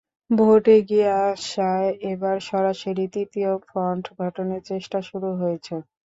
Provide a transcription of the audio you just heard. Vote এগিয়ে আসায় এবার সরাসরি তৃতীয় ফ্রন্ট গঠনের চেষ্টা শুরু হয়েছে।